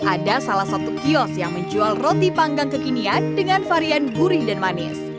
ada salah satu kios yang menjual roti panggang kekinian dengan varian gurih dan manis